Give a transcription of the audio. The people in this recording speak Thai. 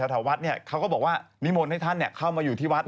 ชาวเท่าวัดเนี่ยเขาก็บอกว่านิมนต์ให้ท่านเนี่ยเข้ามาอยู่ที่วัดเลย